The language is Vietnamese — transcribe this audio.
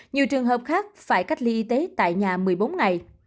nhiều trường hợp khác phải cách ly y tế tại nhà một mươi bốn ngày